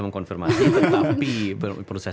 mengkonfirmasi tetapi perlu saya